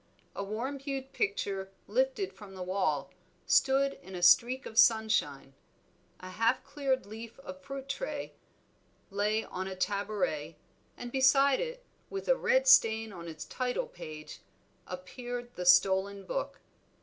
A warm hued picture lifted from the wall stood in a streak of sunshine; a half cleared leaf of fruit lay on a taboret, and beside it, with a red stain on its title page, appeared the stolen book.